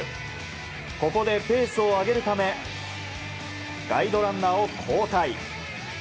ここでペースを上げるためガイドランナーを交代。